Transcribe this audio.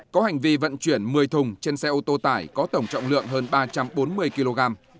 có hành vi vận chuyển một mươi thùng trên xe ô tô tải có tổng trọng lượng hơn ba trăm bốn mươi kg